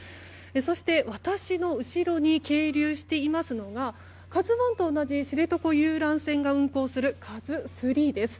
そして、私の後ろに係留していますのが「ＫＡＺＵ１」と同じ知床遊覧船が運航する「ＫＡＺＵ３」です。